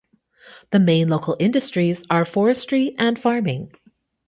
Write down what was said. The main local industries are forestry and farming.